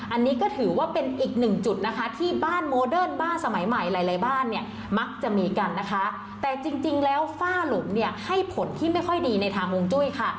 อันนี้ก็ถือว่าเป็นอีกหนึ่งจุดนะคะที่บ้านโมเดิร์นบ้านสมัยใหม่หลายหลายบ้านเนี่ยมักจะมีกันนะคะแต่จริงแล้วฝ้าหลุมเนี่ยให้ผลที่ไม่ค่อยดีในทางวงจุ้ยค่ะ